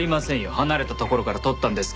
離れた所から撮ったんですから。